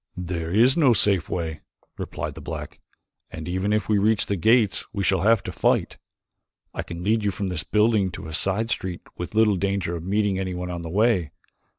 "There is no safe way," replied the black, "and even if we reach the gates we shall have to fight. I can lead you from this building to a side street with little danger of meeting anyone on the way.